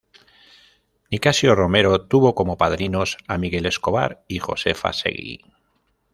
Nicasio Romero, tuvo como padrinos a Miguel Escobar y Josefa Seguí.